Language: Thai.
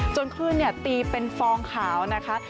คลื่นตีเป็นฟองขาวนะคะ